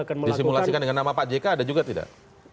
disimulasikan dengan nama pak jk ada juga tidak